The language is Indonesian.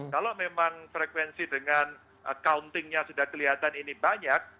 kalau memang frekuensi dengan accountingnya sudah kelihatan ini banyak